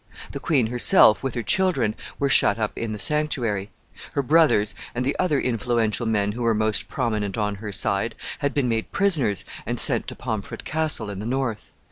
The queen herself, with her children, were shut up in the sanctuary. Her brothers, and the other influential men who were most prominent on her side, had been made prisoners, and sent to Pomfret Castle in the north.